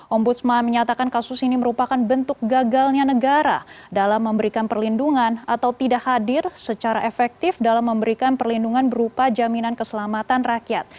ombudsman menyatakan kasus ini merupakan bentuk gagalnya negara dalam memberikan perlindungan atau tidak hadir secara efektif dalam memberikan perlindungan berupa jaminan keselamatan rakyat